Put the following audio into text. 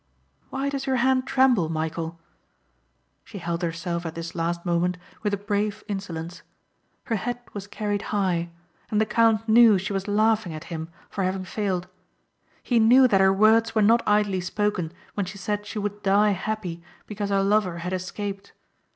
Why does your hand tremble, Michæl?" She held herself at this last moment with a brave insolence. Her head was carried high and the count knew she was laughing at him for having failed. He knew that her words were not idly spoken when she said she would die happy because her lover had escaped.